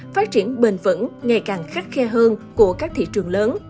phát triển bền vững ngày càng khắc khe hơn của các thị trường lớn